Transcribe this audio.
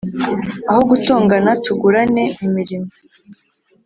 Aho gutongana tugurane imirimo